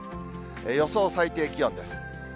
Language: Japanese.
予想最低気温です。